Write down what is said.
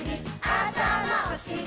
あたまおしり